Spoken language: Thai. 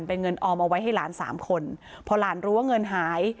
เป็นเงินออมเอาไว้ให้หลานสามคนพอหลานรู้ว่าเงินหาย